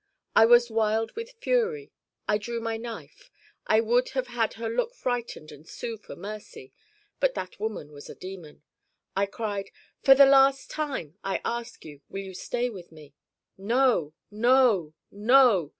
I was wild with fury. I drew my knife. I would have had her look frightened and sue for mercy but that woman was a demon. I cried: "For the last time I ask you, Will you stay with me?" "No! No! No!"